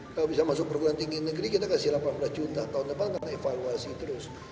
kalau bisa masuk perguruan tinggi negeri kita kasih delapan belas juta tahun depan karena evaluasi terus